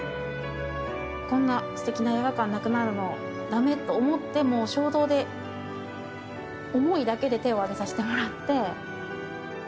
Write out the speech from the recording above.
こんな素敵な映画館がなくなるのは駄目と思ってもう衝動で思いだけで手を挙げさせてもらって。